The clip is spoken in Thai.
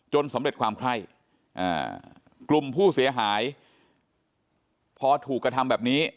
สำเร็จความไข้กลุ่มผู้เสียหายพอถูกกระทำแบบนี้